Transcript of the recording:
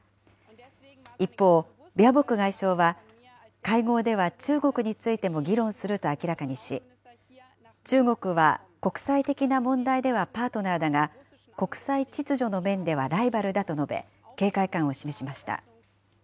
一方、ベアボック外相は、会合では中国についても議論すると明らかにし、中国は国際的な問題ではパートナーだが、国際秩序の面ではライバルだと述べ、警戒感を示しました。